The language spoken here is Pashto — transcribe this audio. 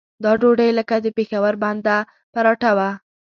دا ډوډۍ لکه د پېښور بنده پراټه وه.